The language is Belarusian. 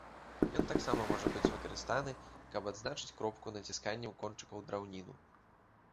Ён таксама можа быць выкарыстаны, каб адзначыць кропку націсканнем кончыка ў драўніну.